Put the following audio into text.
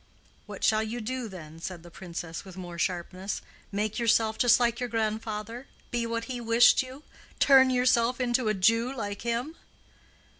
"What shall you do then?" said the Princess, with more sharpness. "Make yourself just like your grandfather—be what he wished you—turn yourself into a Jew like him?"